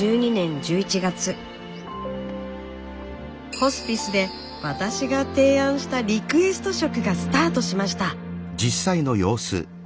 ホスピスで私が提案した「リクエスト食」がスタートしました。